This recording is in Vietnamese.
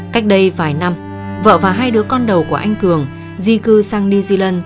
cách đây vài năm vợ và hai đứa con đầu của anh cường di cư sang new zealand